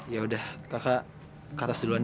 ya udah kakak ke atas duluan